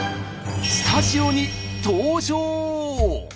スタジオに登場！